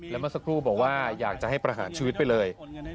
แล้วเมื่อสักครู่บอกว่าอยากจะให้ประหารชีวิตไปเลย